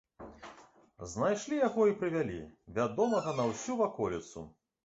Знайшлі яго і прывялі, вядомага на ўсю ваколіцу.